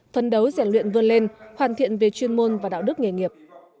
phân đấu giải luyện vươn lên hoàn thiện về chuyên môn và đạo đức nghề nghiệp